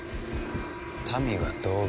民は道具。